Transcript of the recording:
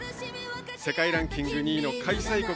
世界ランキング２位の開催国